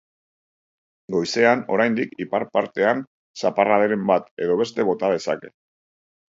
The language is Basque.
Goizean, oraindik, ipar partean zaparradaren bat edo beste bota dezake.